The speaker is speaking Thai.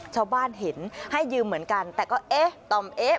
ชาวบ้านเห็นให้ยืมเหมือนกันแต่ก็เอ๊ะต่อมเอ๊ะ